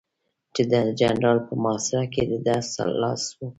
چې د چترال په محاصره کې د ده لاس و.